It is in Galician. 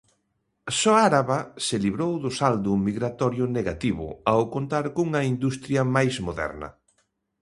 Só Araba se librou do saldo migratorio negativo, ao contar cunha industria máis moderna.